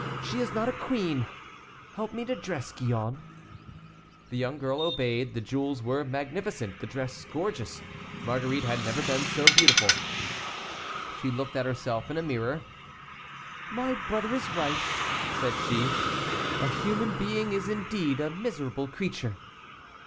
She is not a queen. Help me to dress, Gillonne." The young girl obeyed. The jewels were magnificent, the dress gorgeous. Marguerite had never been so beautiful. She looked at herself in a mirror. "My brother is right," said she; "a human being is indeed a miserable creature."